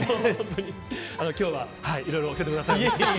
今日はいろいろ教えてください。